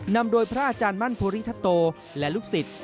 นำโดยพระอาจารย์มั่นภูริทัตโตและลูกศิษย์